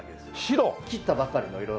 切ったばかりの色が。